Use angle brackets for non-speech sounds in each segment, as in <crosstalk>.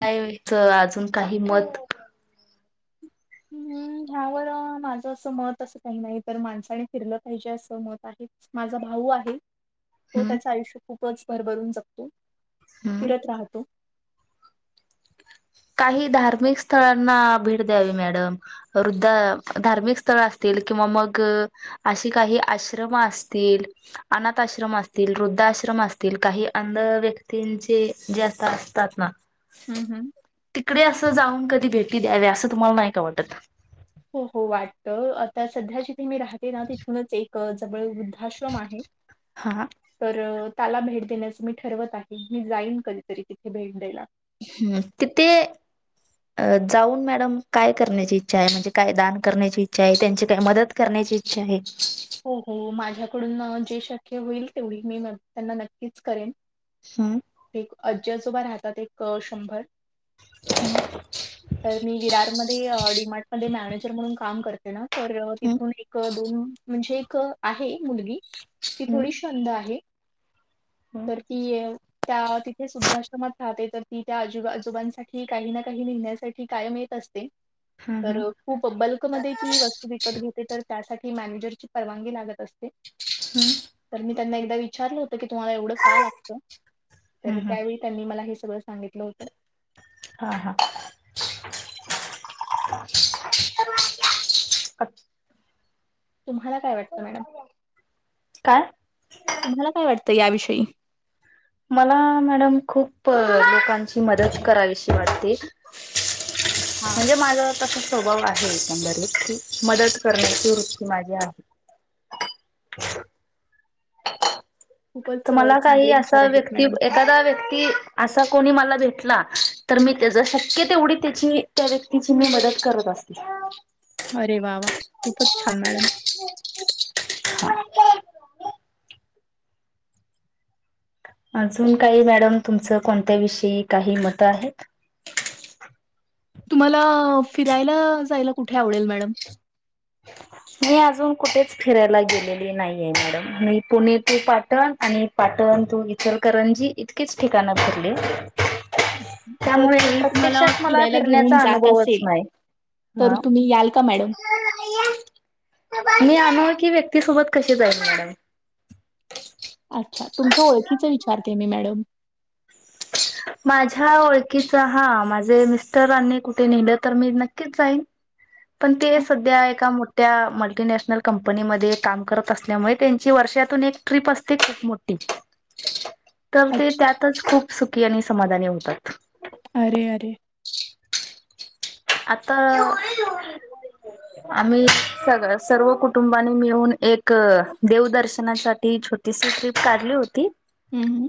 काय च अजून काही मत. हम्म ह्यावर माझं असं मत असं काही नाही तर माणसाने फिरलं पाहिजे असं मत आहे माझा भाऊ आहे तो हम्म त्याच आयुष्य खूपच भरभरून जगतो हम्म फिरत राहतो काही धार्मिक स्थळांना भेट द्यावी मॅडम वृद्धा धार्मिक काही धार्मिक स्थळांना भेट दयावी मॅडम वृध्द धार्मिक स्थळ असतील किंवा मग अशी काही आश्रम असतील अनाथ आश्रम असतील वृद्धा आश्रम असतील काही अंध व्यक्तींचे जे असत असतात ना हम्म हम्म. तिकडे असं जाऊन कधी भेटी द्यावे असं तुम्हाला नाही का वाटत? त आता सध्या जिथे मी राहते ना तिथूनच एक जवळ वृध्द आश्रम आहे हा तर त्याला भेट देण्याचं मी ठरवत आहे मी जाईन कधीतरी तिथे भेट द्याला हम्म तिथे जाऊन मॅडम काय करण्याची इच्छा आहे म्हणजे काय दान करण्याची इच्छा आहे त्यांची काय मदत करण्याची इच्छा आहे हो हो माझ्या माझ्याकडून जे शक्य होईल तेवढी मी त्यांना नक्कीच करेन. हम्म. आजी आजोबा राहतात एक शंभर तर मी विरार मध्ये अडी मध्ये मॅनेजर म्हणून काम करते ना? तर हम्म तिथून एक तून <unintelligible> म्हणजे एक आहे मुलगी ती हम्म थोडी शंद आहे. तर ती य त्या तिथे सुद्धा वृद्धाश्रमात तर ती त्या आजी आजोबांसाठी काही ना काही न्हेण्यासाठी कायम येत असते. हम्म हम्म तर खूप बल्कमध्ये ती वस्तू विकत घेते तर त्यासाठी मॅनेजर ची परवानी लागत असते. तर मी हम्म त्यांना एकदा विचारलं? तुमला एवढं का लागत? हम् हम त्यावेळी त्यांनी हे मला सांग सगळं सांगितलं होतं हा हा <inaudible> तुम्हाला काय वाटतं मॅडम? काय तुम्हाला काय वाटतं याविषयी मला, मॅडम खूप लोकांची मदत करावीशी वाटते हां. म्हणजे माझं तसा स्वभाव आहे, एकंदरीच की, मदत करण्याची वृत्ती माझी आहे. तर खूपच अ, मला काही चांगले विचार असा आहेत व्यक्ती मॅडम तुमचे. एखादा व्यक्ती असा कोणी मला भेटला तर मी त्याच शक्य तेवढी, त्याची त्या व्यक्तीची, मी मदत करत असते. अरे वा! वा! खूपच छान मॅडम अजून काही मॅडम तुमचं कोणत्या विषयी काही मत आहेत? तुम्हाला फिरायला जायला कुठे आवडेल मॅडम? मी अजून कुठेच फिरायला गेलेली नाहीये, मॅडम मी पुणे टू पाटण आणि पाटण टू इचलकरंजी इतकीच ठिकाणं फिरली जर त्यामुळे कोणी तुम्हाला प्रत्यक्षात मला फिरायला घेऊन फिरण्याचा जात अनुभवच असेल नाही तर हा तुम्ही याल का मॅडम? मी आनोळखी व्यक्तीसोबत कशी जाईल मॅडम? अच्छा! तुमच्या ओळखीच विचारते मी मॅडम माझ्या ओळखीचा हा माझे मिस्टरनी कुठे नेलं तर मी नक्कीच जाईन, पण ते अ, सध्या ए मोठ्या मल्टीनॅशनल कंपनीमध्ये काम करत असल्यामुळे त्यांची वर्षातून एक ट्रीप असते खूप मोठी तर, ते अच्छा. त्यातच खूप सु <unintelligible> समाधानी होतात. अरे, अरे! आता आम्ही, सग सर्व कुटुंबानी मिळून एक देव दर्शनासाठी छोटीशी ट्रिप काढली होती. हं, हं.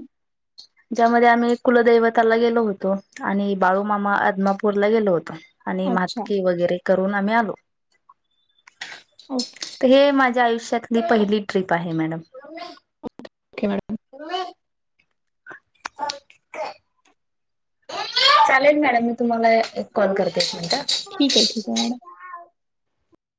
ज्यामध्ये आम्ही कुलदैवताला गेलो होतो आणि बाळूमामा आदमापूरला गेलो होतो. आणि अच्छा. म्हातकीे वगैरे करून आम्ही आलो. ओके हे माझ माझ्या आयुष्यातली पहिली ट्रीप आहे मॅडम. मॅडम. म <unintelligible> ह <unintelligible> चालेल मॅडम मी तुम्हाला एक कॉल करते एक मिनट. ठीक आहे ठीक आहे मॅडम.